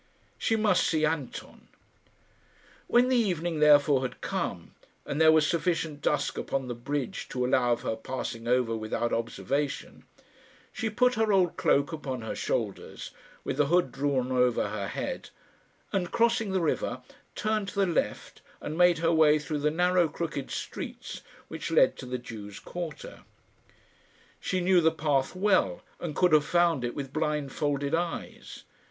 She must see Anton. When the evening therefore had come, and there was sufficient dusk upon the bridge to allow of her passing over without observation, she put her old cloak upon her shoulders, with the hood drawn over her head, and, crossing the river, turned to the left and made her way through the narrow crooked streets which led to the Jews' quarter. She knew the path well, and could have found it with blindfolded eyes.